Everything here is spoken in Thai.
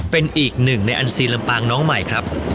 เป็นอีกหนึ่งในอันซีลำปางน้องใหม่ครับ